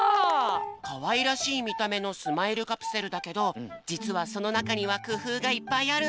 かわいらしいみためのスマイルカプセルだけどじつはそのなかにはくふうがいっぱいあるんだよ。